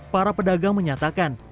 para pedagang menyatakan